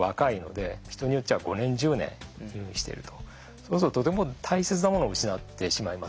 そうするととても大切なものを失ってしまいます。